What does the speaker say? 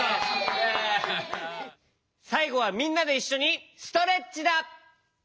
さいごはみんなでいっしょにストレッチだ！